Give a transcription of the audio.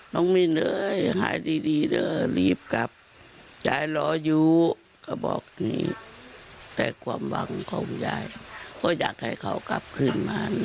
ไม่เหนื่อยหายดีเด้อรีบกลับยายรออยู่ก็บอกนี่แต่ความหวังของยายก็อยากให้เขากลับขึ้นมา